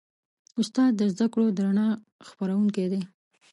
استاد د زدهکړو د رڼا خپروونکی دی.